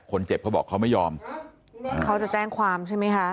เขาบอกเขาไม่ยอมเขาจะแจ้งความใช่ไหมคะ